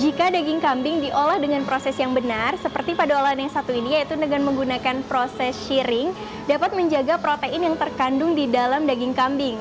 jika daging kambing diolah dengan proses yang benar seperti pada olahan yang satu ini yaitu dengan menggunakan proses sharing dapat menjaga protein yang terkandung di dalam daging kambing